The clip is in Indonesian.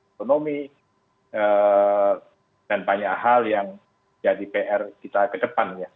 ekonomi dan banyak hal yang jadi pr kita ke depannya